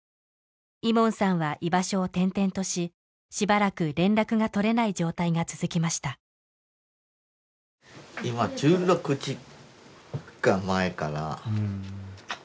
イモンさんは居場所を転々とししばらく連絡が取れない状態が続きましたああ